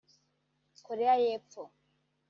Koreya y’epfo